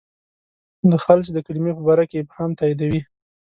د خلج د کلمې په باره کې ابهام تاییدوي.